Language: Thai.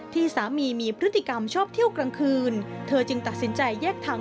ที่สามีมีพฤติกรรมชอบเที่ยวกลางคืน